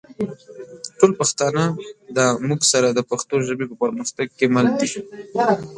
ټول پښتانه دا مونږ سره د پښتو ژبې په پرمختګ کې مل دي